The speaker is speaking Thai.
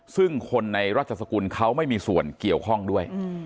ซึ่งคนในราชสกุลเขาไม่มีส่วนเกี่ยวข้องด้วย